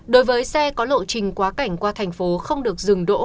đối với xe có lộ trình quá cảnh qua thành phố không được dừng đỗ